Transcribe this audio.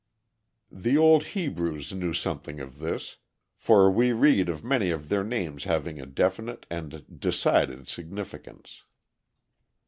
The old Hebrews knew something of this, for we read of many of their names having a definite and decided significance.